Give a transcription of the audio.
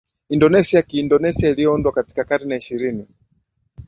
Indonesia Kiindonesia iliyoundwa katika karne ya ya ishirini